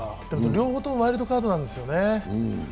両方ともワイルドカードなんですよね。